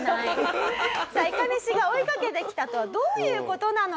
さあいかめしが追いかけてきたとはどういう事なのか？